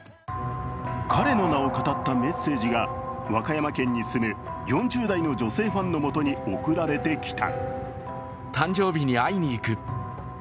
彼の名をかたったメッセージが和歌山県に住む４０代の女性ファンのもとに送られてきた。